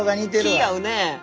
気合うね。